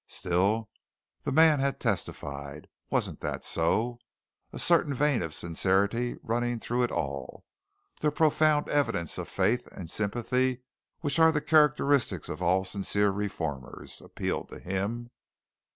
Still the man had testified. Wasn't that so? A certain vein of sincerity running through it all that profound evidence of faith and sympathy which are the characteristics of all sincere reformers appealed to him.